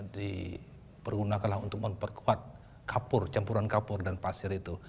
dipergunakanlah untuk memperkuat kapur campuran kapur dan pasir itu